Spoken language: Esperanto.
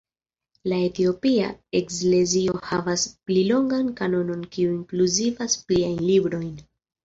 La etiopia eklezio havas pli longan kanonon kiu inkluzivas pliajn librojn.